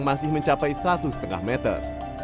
masih mencapai satu lima meter